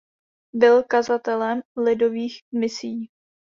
Byl kazatelem lidových misií.